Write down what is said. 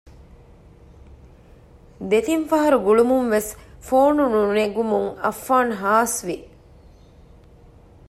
ދެތިން ފަހަރު ގުޅުމުންވެސް ފޯނު ނުނެގުމުން އައްފާން ހާސް ވި